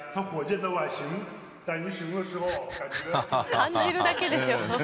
感じるだけでしょ。